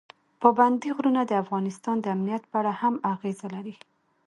پابندی غرونه د افغانستان د امنیت په اړه هم اغېز لري.